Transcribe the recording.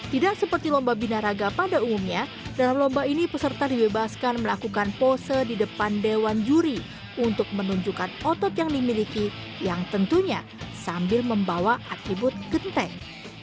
tidak seperti lomba bina raga pada umumnya dalam lomba ini peserta dibebaskan melakukan pose di depan dewan juri untuk menunjukkan otot yang dimiliki yang tentunya sambil membawa atribut genteng